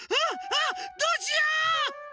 あっどうしよう！？